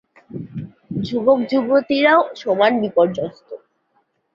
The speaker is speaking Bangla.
যুবক-যুবতীরাও সমান বিপর্যস্ত।